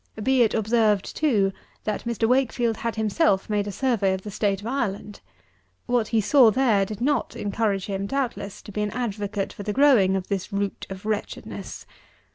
Be it observed, too, that Mr. WAKEFIELD had himself made a survey of the state of Ireland. What he saw there did not encourage him, doubtless, to be an advocate for the growing of this root of wretchedness.